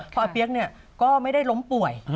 พออาเปี๊ยกก็ไม่ได้ล้มป่วย